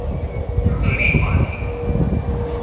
鶴唳華亭